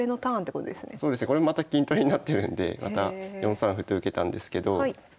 これもまた金取りになってるんでまた４三歩と受けたんですけど。